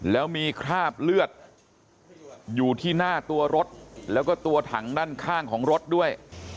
แล้วมีคราบเลือดอยู่ที่หน้าตัวรถแล้วก็ตัวถังด้านข้างของรถด้วย